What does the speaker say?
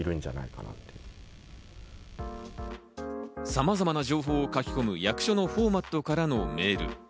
さまざまな情報を書き込む役所のフォーマットからのメール。